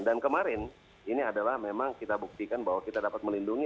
dan kemarin ini adalah memang kita buktikan bahwa kita dapat melindungi